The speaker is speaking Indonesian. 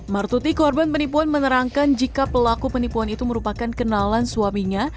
martuti korban penipuan menerangkan jika pelaku penipuan itu merupakan kenalan suaminya